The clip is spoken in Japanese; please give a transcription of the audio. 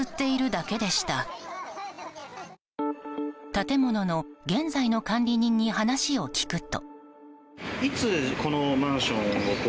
建物の現在の管理人に話を聞くと。